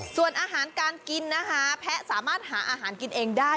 ส่วนอาหารการกินนะคะแพะสามารถหาอาหารกินเองได้